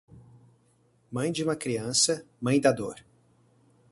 Mãe de uma criança, mãe da dor.